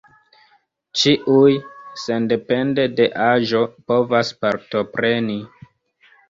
Ĉiuj, sendepende de aĝo, povas partopreni.